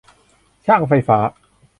ช่างไฟฟ้า